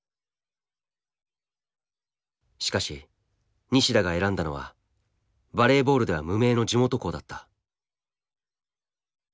しかし西田が選んだのはバレーボールでは無名の地元校だった。